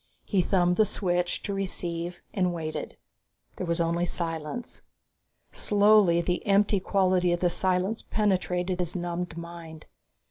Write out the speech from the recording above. He thumbed the switch to receive and waited. There was only silence. Slowly, the empty quality of the silence penetrated his numbed mind.